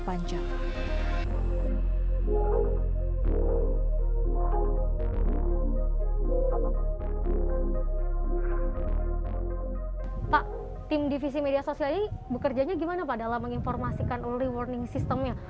pak tim divisi media sosial ini bekerjanya gimana pak dalam menginformasikan early warning systemnya